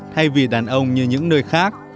thay vì đàn ông như những người khác